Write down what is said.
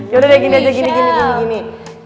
yaudah deh gini aja gini gini gini